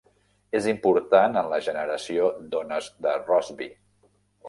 És important en la generació d'ones de Rossby.